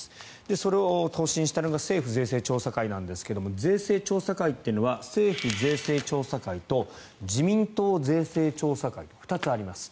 それを答申したのが政府税制調査会なんですが税制調査会というのは政府税制調査会と自民党税制調査会２つあります。